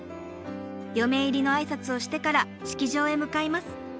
嫁入りの挨拶をしてから式場へ向かいます。